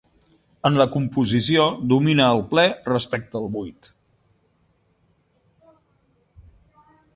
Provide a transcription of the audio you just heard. En la composició domina el ple respecte del buit.